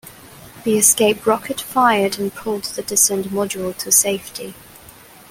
The escape rocket fired and pulled the descent module to safety.